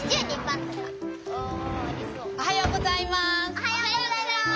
おはようございます！